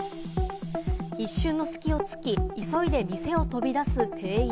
一瞬の隙をつき、急いで店を飛び出す店員。